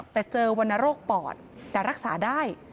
แต่เจอวรรณโรคปอดแต่รักษาได้